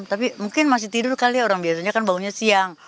tapi mungkin masih tidur kali ya orang biasanya kan baunya siang